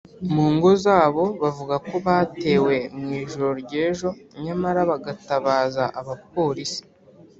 mu ngo zabo bavuga ko batewe mu ijoro ryejo nyamara bagatabaza abapolisi